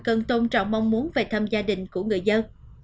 cần tôn trọng mong muốn về thăm gia đình của người dân